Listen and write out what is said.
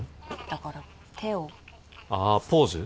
だから手をああポーズ？